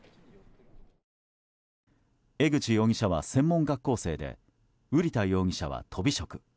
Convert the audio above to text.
江口容疑者は、専門学校生で瓜田容疑者は、とび職。